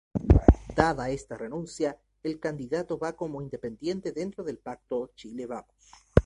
Dada esta renuncia, el candidato va como independiente dentro del pacto Chile Vamos.